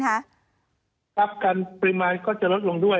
รับกันปริมาณก็จะลดลงด้วย